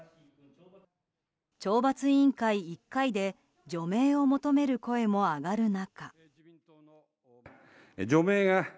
懲罰委員会１回で除名を求める声も上がる中。